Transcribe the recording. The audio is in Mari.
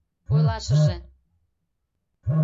Ойлашыже...